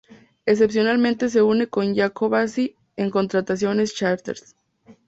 Excepcionalmente se une con Jacobacci en contrataciones charters